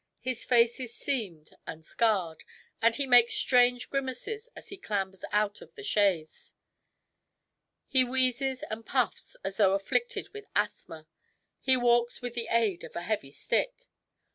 His face is seamed and scarred, and he makes strange grimaces as he clambers out of the chaise. He wheezes and puffs as though afflicted with asthma. He walks with the aid of a heavy stick.